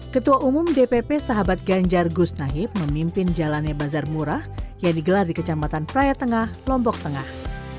ketua umum dpp sahabat ganjar gus nahib memimpin jalannya bazar murah yang digelar di kecamatan praya tengah lombok tengah